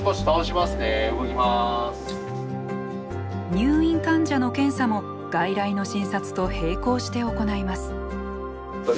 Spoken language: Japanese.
入院患者の検査も外来の診察と並行して行います。